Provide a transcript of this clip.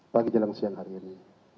pagi jelang siang hari ini